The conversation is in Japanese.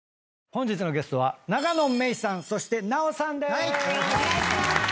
本日のゲストは永野芽郁さんそして奈緒さんでーす。